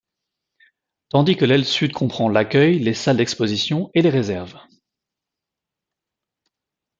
Tandis que l'aile sud comprend l'accueil, les salles d'exposition et les réserves.